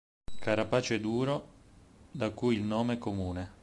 Carapace duro, da cui il nome comune.